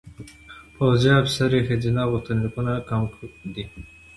پوځ افسرۍ ښځینه غوښتنلیکونه کم دي.